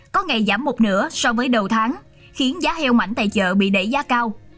có ngày giảm một nửa so với đầu tháng khiến giá heo mạnh tại chợ bị đẩy giá cao